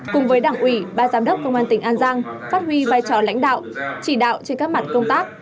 cùng với đảng ủy ba giám đốc công an tỉnh an giang phát huy vai trò lãnh đạo chỉ đạo trên các mặt công tác